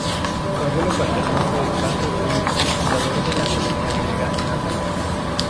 Su abuelo paterno fue Bato I, fundador de la colonia griega en África.